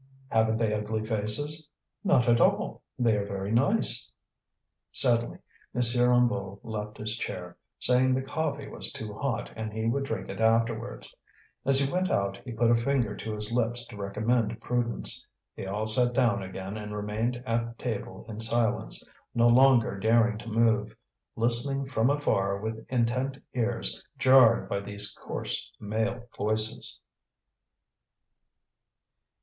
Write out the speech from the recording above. "Haven't they ugly faces?" "Not at all; they are very nice." Suddenly M. Hennebeau left his chair, saying the coffee was too hot and he would drink it afterwards. As he went out he put a finger to his lips to recommend prudence. They all sat down again and remained at table in silence, no longer daring to move, listening from afar with intent ears jarred by these coarse male voices.